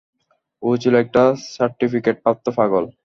ও ছিল একটা সার্টিফিকেটপ্রাপ্ত পাগল।